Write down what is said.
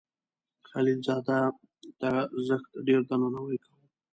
خلیل زاده ته زښت ډیر درناوی کاو.